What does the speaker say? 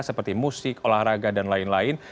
seperti musik olahraga dan lain lain